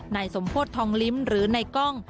ในสมโพธิ์ทองลิ้มหรือในกล้อง